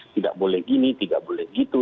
tidak boleh gini tidak boleh gitu